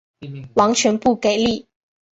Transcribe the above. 完全不给力